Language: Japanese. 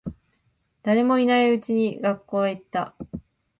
誰もいないうちに学校へ行った。